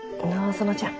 園ちゃん。